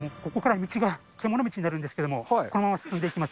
うわ、ここから道が、けもの道になるんですけれども、このまま進んでいきます。